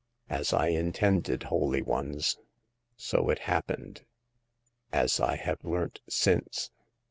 As I intended, holy ones, so it hap pened, as I have learnt since.